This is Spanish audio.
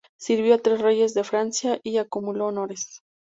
Sirvió a tres reyes de Francia y acumuló honores.